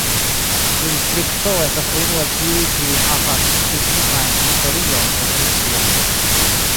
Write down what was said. Tiu distrikto estas unu el tiuj kiuj havas pli tipajn historion kaj tradicion.